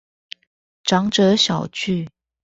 長者小聚